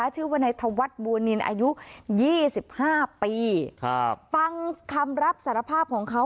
ที่เรียกว่าในธวัฒน์บัวนินอายุ๒๕ปีฟังคำรับสารภาพของเขา